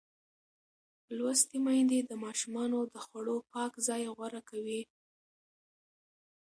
لوستې میندې د ماشومانو د خوړو پاک ځای غوره کوي.